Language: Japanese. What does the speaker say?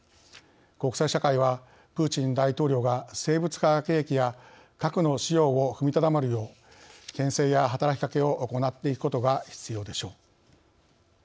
国際社会はプーチン大統領が生物化学兵器や核の使用を踏みとどまるようけん制や働きかけを行っていくことが必要でしょう。